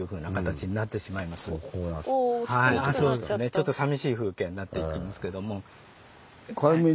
ちょっとさみしい風景になっていきますけども。